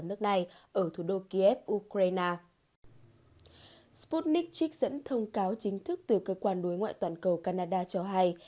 nick chicks dẫn thông cáo chính thức từ cơ quan đối ngoại toàn cầu canada cho hay